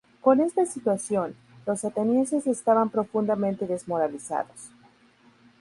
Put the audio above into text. Con esta situación, los atenienses estaban profundamente desmoralizados.